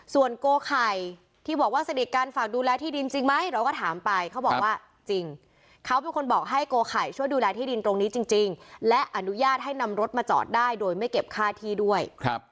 ส่วนโกไข่ที่บอกว่าสนิทกันฝากดูแลที่ดินจริงไหมเราก็ถามไปเขาบอกว่าจริงเขาเป็นคนบอกให้โกไข่ช่วยดูแลที่ดินตรงนี้จริงและอนุญาตให้นำรถมาจอดได้โดยไม่เก็บค่าที่ด้วย